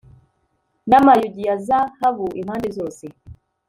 n'amayugi ya zahabu impande zose